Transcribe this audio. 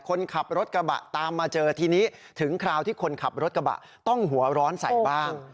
คนขับรถกระบะตามมาเจอทีนี้ถึงคราวที่คนขับรถกระบะต้องหัวร้อนใส่บ้าง